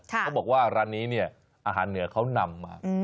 เขาบอกว่าร้านนี้เนี่ยอาหารเหนือเขานำมา